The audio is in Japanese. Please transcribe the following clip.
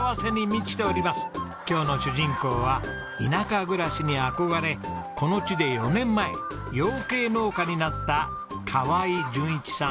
今日の主人公は田舎暮らしに憧れこの地で４年前養鶏農家になった川合淳一さん